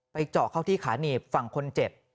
เจาะเข้าที่ขาหนีบฝั่งคนเจ็บ